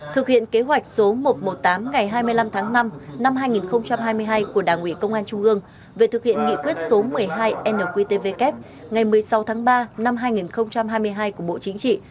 thực hiện kế hoạch số một trăm một mươi tám ngày hai mươi năm tháng năm năm hai nghìn hai mươi hai của đảng ủy công an trung ương về thực hiện nghị quyết số một mươi hai nqtvk ngày một mươi sáu tháng ba năm hai nghìn hai mươi hai của bộ chính trị